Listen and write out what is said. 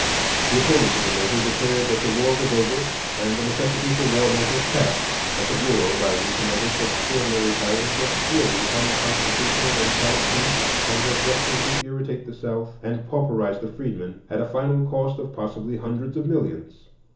The opponents of the measure declared that the war was over, and the necessity for war measures past; that the Bureau, by reason of its extraordinary powers, was clearly unconstitutional in time of peace, and was destined to irritate the South and pauperize the freedmen, at a final cost of possibly hundreds of millions.